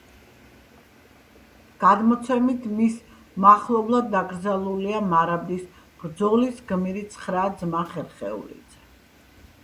გადმოცემით, მის მახლობლად დაკრძალულია მარაბდის ბრძოლის გმირი ცხრა ძმა ხერხეულიძე.